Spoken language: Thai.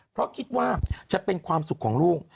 เพราะคิดว่าจะเป็นความสุขของลูก